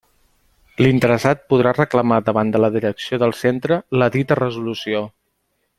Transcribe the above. L'interessat podrà reclamar davant de la direcció del centre la dita resolució.